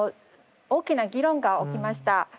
大きな議論が起きました。